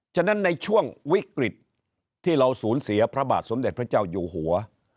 ฉะนั้นในช่วงวิกฤตที่เราสูญเสียพระบาทสมเด็จพระเจ้าอยู่หัว